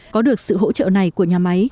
có được sự hỗ trợ này của nhà máy